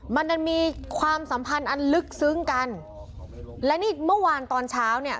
มันดันมีความสัมพันธ์อันลึกซึ้งกันและนี่เมื่อวานตอนเช้าเนี่ย